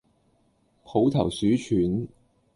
抱頭鼠竄